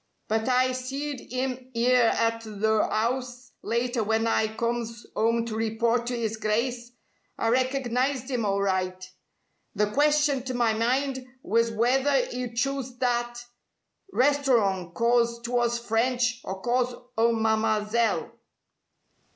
But I seed 'im 'ere at th' 'ouse later when I comes 'ome to report to 'is Grice. I recognized 'im alright. The question to my mind was w'ether 'e'd chose that restorong 'cause 'twas French or cause o' Mam'selle."